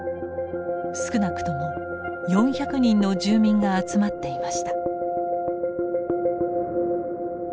少なくとも４００人の住民が集まっていました。